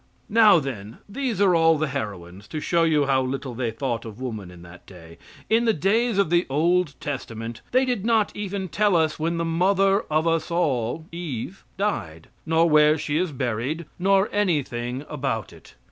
Now, then, these are all the heroines, to show you how little they thought of woman in that day. In the days of the old testament they did not even tell us when the mother of us all (Eve) died, nor where she is buried, nor anything about it.